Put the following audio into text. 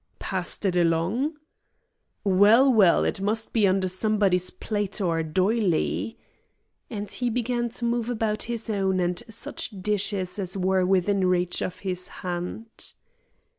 "Passed it along." "Well, well, it must be under somebody's plate or doily." And he began to move about his own and such dishes as were within reach of his hand.